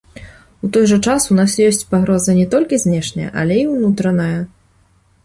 У той жа час у нас ёсць пагроза не толькі знешняя, але і ўнутраная.